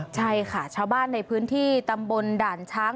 ใช่ค่ะชาวบ้านในพื้นที่ตำบลด่านช้าง